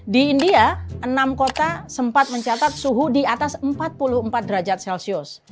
di india enam kota sempat mencatat suhu di atas empat puluh empat derajat celcius